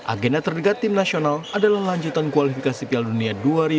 agenda terdekat tim nasional adalah lanjutan kualifikasi piala dunia dua ribu dua puluh